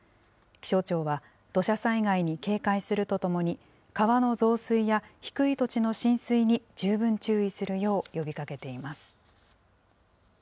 気象庁は、土砂災害に警戒するとともに、川の増水や低い土地の浸水に十分注意するよう呼びかけています。